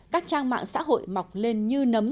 các trang mạng xã hội mọc lên như nấm